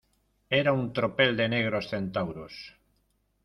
era un tropel de negros centauros.